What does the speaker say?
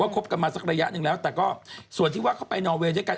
คบกันมาสักระยะหนึ่งแล้วแต่ก็ส่วนที่ว่าเขาไปนอเวย์ด้วยกัน